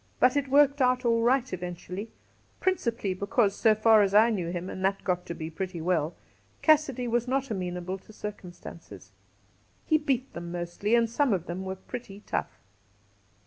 But it worked out all right eventually, principally because, so far as I knew him — and that got to be pretty well — Cassidy was not amenable to cir cumstances. He beat them mostly, and some of them were pretty tough.